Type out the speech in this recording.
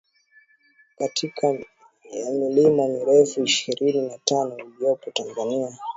katika ya milima mirefu ishirini na tano iliyopo Tanzania